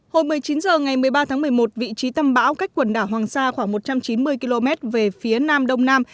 hồi một mươi chín h ngày một mươi ba tháng một mươi một vị trí tâm bão cách quần đảo hoàng sa khoảng một trăm chín mươi km về phía nam đông nam